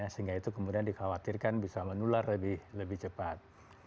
sehingga itu kemudian dikhawatirkan bisa menular lebih cepat